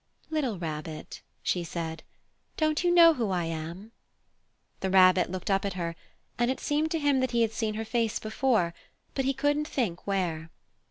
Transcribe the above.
"Little Rabbit," she said, "don't you know who I am?" The Rabbit looked up at her, and it seemed to him that he had seen her face before, but he couldn't think where.